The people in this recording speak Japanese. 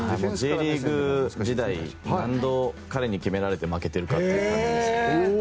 Ｊリーグ時代何度、彼に決められて負けてるかって感じですね。